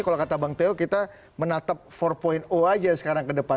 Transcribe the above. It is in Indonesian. kalau kata bang teo kita menatap empat aja sekarang ke depan